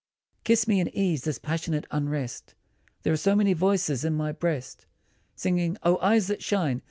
Kiss me and ease this passionate unrest, There are so many voices in my breast Singing, " Oh, eyes that shine